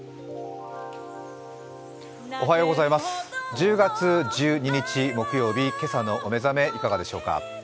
１０月１２日木曜日、今朝のお目覚めいかがでしょうか。